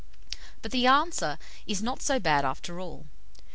But the answer is not so bad after all.